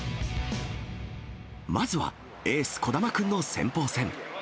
まずはエース、児玉君の先鋒戦。